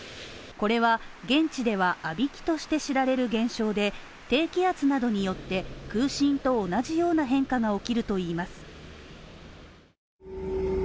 これは、あびきとして知られる現象で、低気圧などによって空振と同じような変化が起きるといいます。